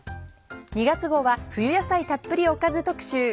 ２月号は冬野菜たっぷりおかず特集。